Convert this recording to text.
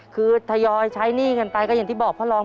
คือทยอยใช้หนี้กันไปก็อย่างที่บอกพ่อรอง